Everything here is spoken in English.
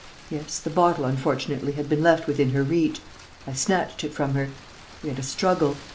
Yes; the bottle, unfortunately, had been left within her reach. I snatched it from her. We had a struggle.